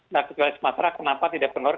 nah kecuali sumatera kenapa tidak benar